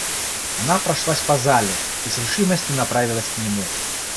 Она прошлась по зале и с решимостью направилась к нему.